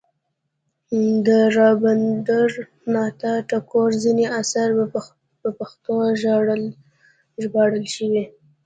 د رابندر ناته ټاګور ځینې اثار په پښتو ژباړل شوي.